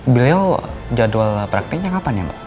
beliau jadwal praktiknya kapan ya mbak